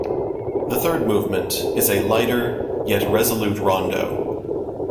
The third movement is a lighter, yet resolute rondo.